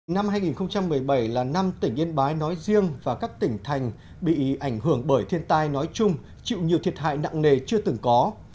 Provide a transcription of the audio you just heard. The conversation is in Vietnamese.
năm hai nghìn một mươi bảy là năm tỉnh yên bái nói riêng và các tỉnh thành bị ảnh hưởng bởi thiên tai nói chung chịu nhiều thiệt hại nặng nề chưa từng có